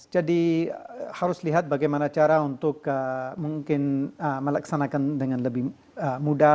jadi harus lihat bagaimana cara untuk mungkin melaksanakan dengan lebih mudah